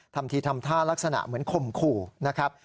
ทำทีทำท่ารักษณะเหมือนข่มขู่นะครับ